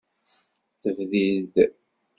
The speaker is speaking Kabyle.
Tebdid.